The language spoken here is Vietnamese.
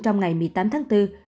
trong ngày một mươi chín tháng bốn